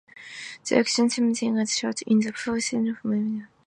The action scenes in the film was shot in the forests surrounding Madurai.